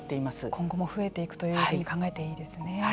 今後も増えていくというふうに考えていいですね。